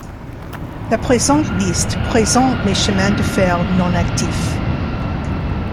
La présente liste présente les chemins de fer non actifs.